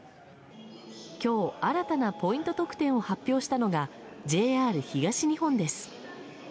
今日、新たなポイント特典を発表したのがＪＲ東日本です。